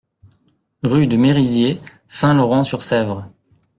Rue de Merisier, Saint-Laurent-sur-Sèvre